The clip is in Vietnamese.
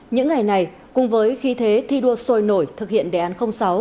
những ngày này cùng với khí thế thi đua sôi nổi thực hiện đề án sáu